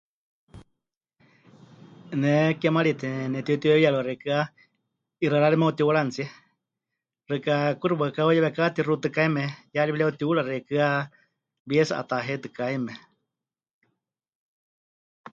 Ne kémarite nepɨtiutiweewíyarɨwa xeikɨ́a 'ixɨarari meutihuranitsie, xɨka kuxi waɨkawa heuyeweká tixutɨkaime, ya ri pɨreutihura xeikɨ́a bies 'ataheitɨkaime.